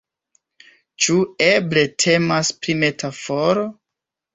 Ĉu eble temas pri metaforo?